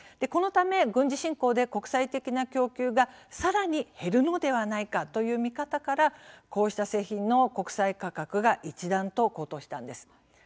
このため軍事侵攻で国際的な供給がさらに減るのではないかという見方からこうした製品の国際価格が一段と高騰したんです。